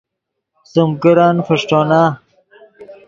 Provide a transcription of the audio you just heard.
سیم کرن فݰٹونا